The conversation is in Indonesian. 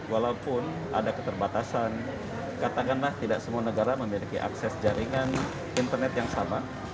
walaupun ada keterbatasan katakanlah tidak semua negara memiliki akses jaringan internet yang sama